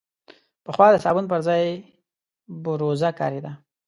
پخوا د صابون پر ځای بوروزه کارېده.